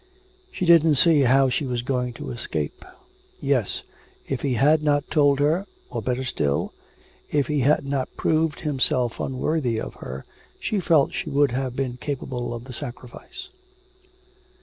She didn't see how she was going to escape. ... Yes, if he had not told her, or better still, if he had not proved himself unworthy of her, she felt she would have been capable of the sacrifice.